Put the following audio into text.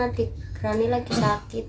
lalu aku bilang kemari rani sedang sakit